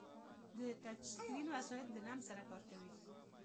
د ټچ اسکرین وسایل د لمس سره کار کوي.